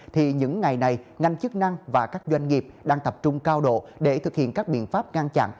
thì những ngày này ngành chức năng và các doanh nghiệp đang tập trung cao độ để thực hiện các biện pháp ngăn chặn